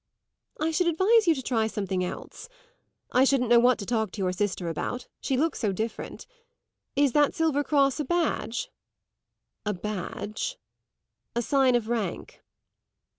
"I should advise you to try something else. I shouldn't know what to talk to your sister about; she looks so different. Is that silver cross a badge?" "A badge?" "A sign of rank."